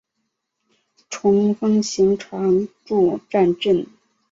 虫奉行常住战阵！